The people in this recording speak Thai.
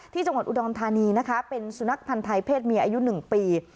ที่จังหวัดอุดอมธานีเป็นสุนัขผันไทยเพศเมีย๑ปี